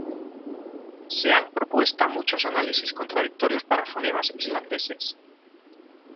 Se han propuesta muchos análisis contradictorios para fonemas islandeses.